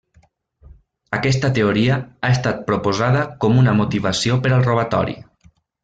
Aquesta teoria ha estat proposada com una motivació per al robatori.